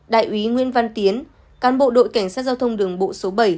đại úy nguyễn văn tiến cán bộ đội cảnh sát giao thông đường bộ số bảy